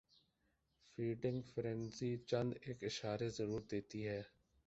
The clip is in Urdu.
فیڈنگ فرینزی چند ایک اشارے ضرور دیتی ہے